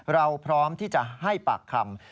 เราพร้อมที่จะให้ปากคำ